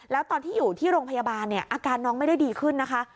แล้วตอนที่อยู่ที่โรงพยาบาลเนี่ยอาการน้องไม่ได้ดีขึ้นนะคะ